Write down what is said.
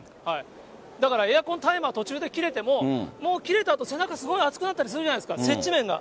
だからエアコンタイマー途中で切れても、もう切れたあと、背中すごい暑くなったりするじゃないですか、接地面が。